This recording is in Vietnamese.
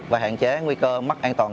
và hạn chế nguy cơ mất an toàn